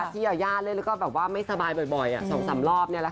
ที่ยาย่าเล่นแล้วก็ไม่สบายบ่อย๒๓รอบนี่แล้วค่ะ